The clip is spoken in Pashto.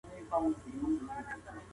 مور مې پۀ دواړه لاسه شپه وه موسله وهله